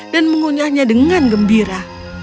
dan mengunyahnya dengan gembira